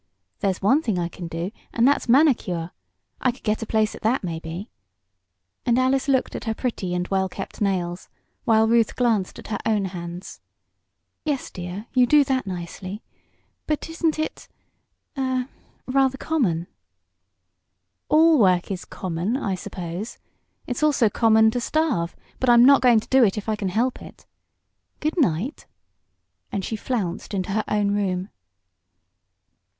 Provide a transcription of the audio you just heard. There's one thing I can do, and that's manicure. I could get a place at that, maybe," and Alice looked at her pretty and well kept nails, while Ruth glanced at her own hands. "Yes, dear, you do that nicely. But isn't it er rather common?" "All work is 'common,' I suppose. It's also common to starve but I'm not going to do it if I can help it. Good night!" and she flounced into her own room.